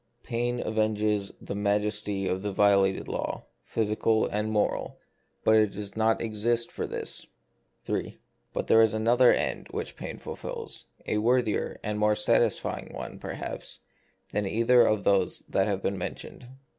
Pain avenges the majesty of violated law, physical and moral, but it does not exist for this. 3. But there is another end which pain fulfils, a worthier and more satisfying one, perhaps, than either of those that have been mentioned.